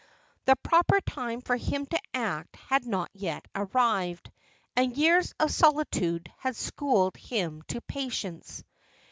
The proper time for him to act had not yet arrived, and years of solitude had schooled him to patience.